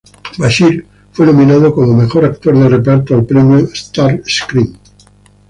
Bashir fue nominado como Mejor Actor de Reparto al Premio Star Screen.